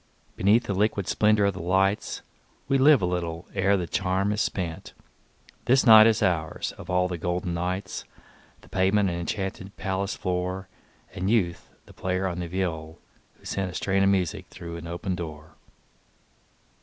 Beneath the liquid splendor of the lights We live a little ere the charm is spent; This night is ours, of all the golden nights, The pavement an enchanted palace floor, And Youth the player on the viol, who sent A strain of music through an open door.